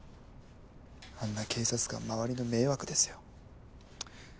あんな警察官周りの迷惑ですよ